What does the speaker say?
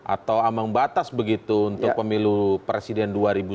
atau ambang batas begitu untuk pemilu presiden dua ribu sembilan belas